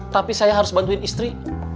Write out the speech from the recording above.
tapi saya harus bantuin istri